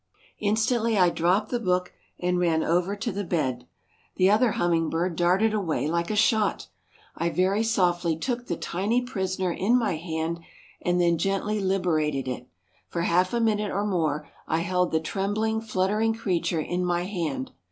Instantly I dropped the book and ran over to the bed. The other hummingbird darted away like a shot. I very softly took the tiny prisoner in my hand and then gently liberated it. For half a minute or more I held the trembling, fluttering creature in my hand.